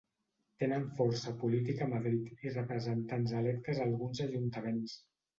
Tenen força política a Madrid i representants electes a alguns ajuntaments.